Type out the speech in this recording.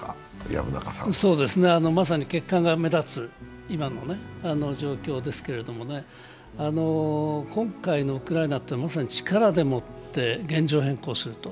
まさに欠陥が目立つ今の状況ですけれども、今回のウクライナはまさに力でもって現状変更する。